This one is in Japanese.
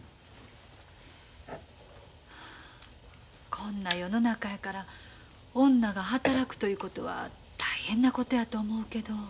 こんな世の中やから女が働くということは大変なことやと思うけど。